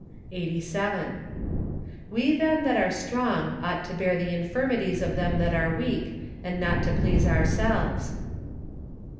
Eighty Seven. " We then that are strong ought to hear the in¬ firmities of them that are iceak , and not to please ourselves